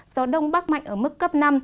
gió đông bắc mạnh ở mức cấp năm